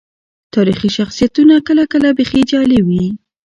تاريخي شخصيتونه کله کله بيخي جعلي وي.